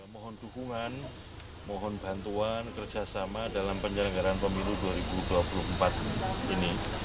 mohon dukungan mohon bantuan kerjasama dalam penyelenggaraan pemilu dua ribu dua puluh empat ini